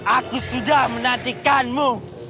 aku sudah menantikanmu